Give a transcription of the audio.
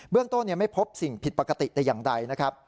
เบื้องต้นไม่พบสิ่งผิดประกะติใด